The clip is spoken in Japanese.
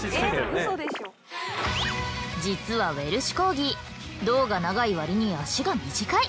実はウェルシュ・コーギー胴が長いわりに足が短い。